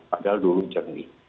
padahal dulu jernih